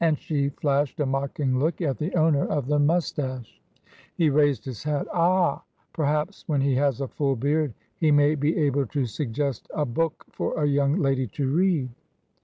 And she flashed a mocking look at the owner of the mustache. He raised his hat. " Ah h ! Perhaps when he has a full beard he may be able to suggest a book for a young lady to read."